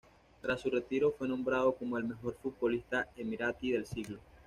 Tras su retiro fue nombrado como el mejor futbolista emiratí del siglo.